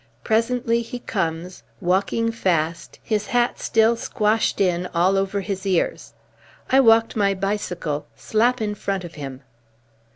Presently he comes, walking fast, his hat still squashed in all over his ears. I walked my bicycle slap in front of him.